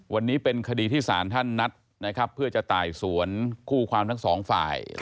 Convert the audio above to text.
วันนี้เป็นคนที่สานท่านนัดเพื่อต่ายส่วนคู่ความทั้งสองฝ่าย